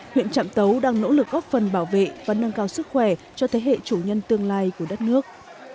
huyện trạm tấu đang nỗ lực góp phần bảo vệ và nâng cao sức khỏe cho thế hệ chủ nhân tương lai của đất nước